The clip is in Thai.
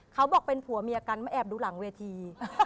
เขาบอกเป็นผัวเมียกันมาแอบดูหลังเวที